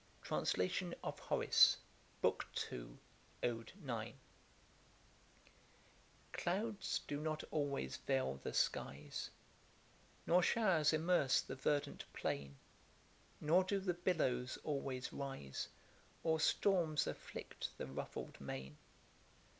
Translation of HORACE. Book II. Ode ix. Clouds do not always veil the skies, Nor showers immerse the verdant plain; Nor do the billows always rise, Or storms afflict the ruffled main.